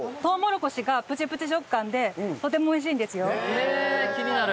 へえ気になる！